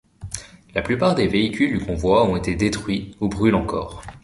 La plupart des véhicules du convoi ont été détruits ou brûlent encore.